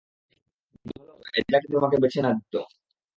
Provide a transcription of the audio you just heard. ভালো হতো, অ্যাজাক যদি তোমাকে বেছে না নিত।